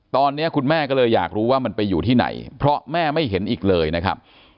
ตอนนี้คุณแม่ก็เลยอยากรู้ว่ามันไปอยู่ที่ไหนเพราะแม่ไม่เห็นอีกเลยนะครับ